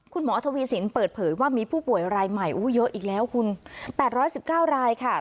คุณหมอทวีสินเปิดเผยว่ามีผู้ป่วยรายใหม่อู้เยอะอีกแล้วคุณแปดร้อยสิบเก้ารายค่ะ